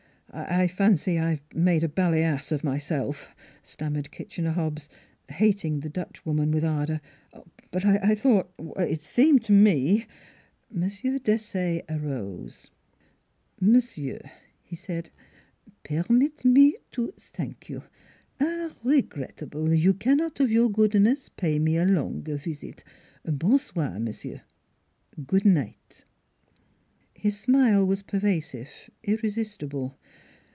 " I fancy I've made a bally ass of myself," stammered Kitchener Hobbs, hating the Dutch woman with ardor. " But I thought it seemed to me " M. Desaye arose. " Monsieur," said he, " permit me to t'ank you. ... Ah regrettable that you cannot of your goodness pay me a longer visit. ... Bon soir, monsieur! Goo' night! " His smile was pervasive, irresistible.